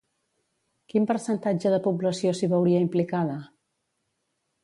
Quin percentatge de població s'hi veuria implicada?